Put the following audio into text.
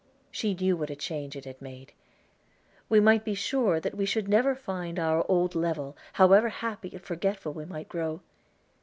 She knew what a change it had made. We might be sure that we should never find our old level, however happy and forgetful we might grow.